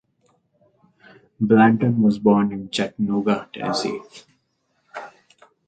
Blanton was born in Chattanooga, Tennessee.